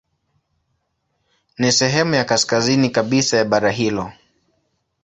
Ni sehemu ya kaskazini kabisa ya bara hilo.